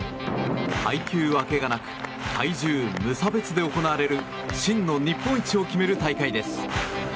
階級分けがなく体重無差別で行われる真の日本一を決める大会です。